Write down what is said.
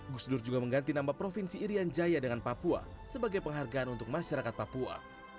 gus dur juga mengganti nama provinsi irian jaya dengan papua sebagai penghargaan untuk masyarakat papua